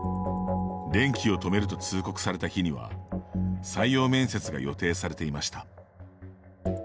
電気を止めると通告された日には採用面接が予定されていました。